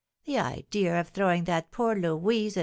The idea of throwing that poor Louise and M.